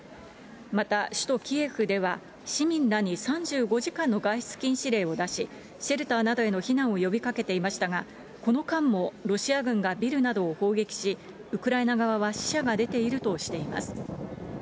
また首都キエフでは、市民らに３５時間の外出禁止令を出し、シェルターなどへの避難を呼びかけていましたが、この間も、ロシア軍がビルなどを砲撃し、ウクライナ側は、死者が出ているとしています。